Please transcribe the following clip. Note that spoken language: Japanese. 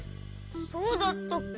そうだったっけ？